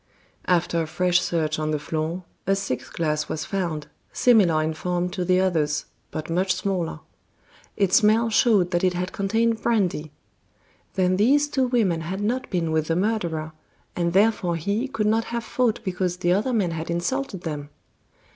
After a fresh search on the floor, a sixth glass was found, similar in form to the others, but much smaller. Its smell showed that it had contained brandy. Then these two women had not been with the murderer, and therefore he could not have fought because the other men had insulted them.